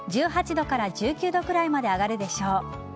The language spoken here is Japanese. １８度から１９度くらいまで上がるでしょう。